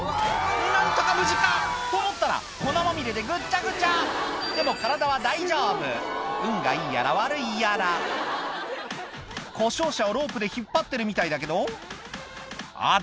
何とか無事か⁉と思ったら粉まみれでぐっちゃぐちゃでも体は大丈夫運がいいやら悪いやら故障車をロープで引っ張ってるみたいだけどあっ